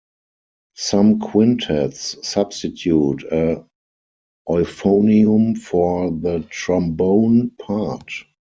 Some quintets substitute a euphonium for the trombone part.